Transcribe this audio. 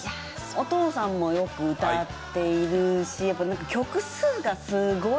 お父さんもよく歌っているしやっぱ曲数がすごい。